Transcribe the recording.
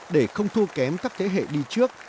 để không thua kém các thế hệ đi trước